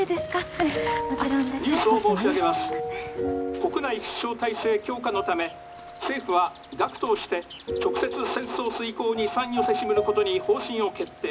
国内必勝体制強化のため政府は学徒をして直接戦争遂行に参与せしむることに方針を決定」。